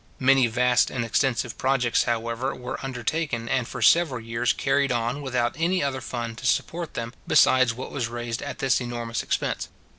Many vast and extensive projects, however, were undertaken, and for several years carried on, without any other fund to support them besides what was raised at this enormous expense.